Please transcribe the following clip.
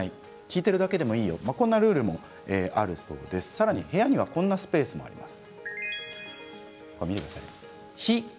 さらに部屋には非交流スペースもあります。